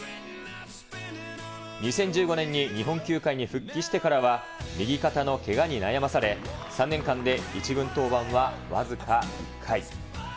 ２０１５年に日本球界に復帰してからは、右肩のけがに悩まされ、３年間で１軍登板は僅か１回。